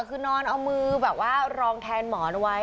คือนอนเอามือแบบว่ารองแทนหมอนไว้